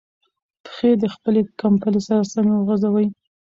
پښې د خپلې کمپلې سره سمې وغځوئ.